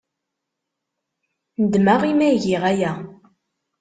Nedmeɣ imi ay giɣ aya.